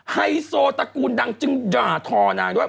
ไฮโซตระกูลดังจึงด่าทอนางด้วย